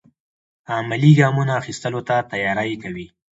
عملي ګامونو اخیستلو ته تیاری کوي.